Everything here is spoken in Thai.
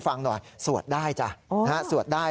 พระขู่คนที่เข้าไปคุยกับพระรูปนี้